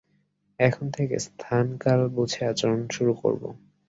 এখন থেকে স্থান-কাল বুঝে আচরণ করতে শুরু করবো।